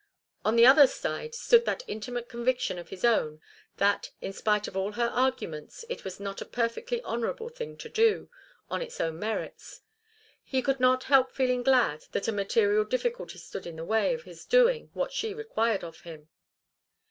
On the other side stood that intimate conviction of his own that, in spite of all her arguments, it was not a perfectly honourable thing to do, on its own merits. He could not help feeling glad that a material difficulty stood in the way of his doing what she required of him.